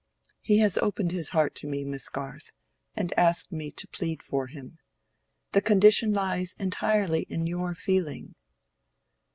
He has opened his heart to me, Miss Garth, and asked me to plead for him. The condition lies entirely in your feeling."